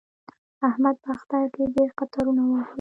احمد په اختر کې ډېر قطارونه ووهل.